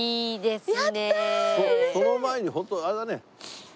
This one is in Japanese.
その前にホントあれだね。